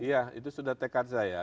iya itu sudah tekad saya